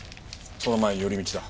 その前に寄り道だ。